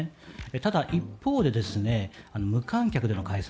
ただ一方で無観客での開催